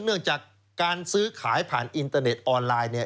เนื่องจากการซื้อขายผ่านอินเตอร์เน็ตออนไลน์เนี่ย